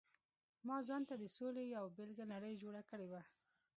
ما ځانته د سولې یو بېله نړۍ جوړه کړې وه.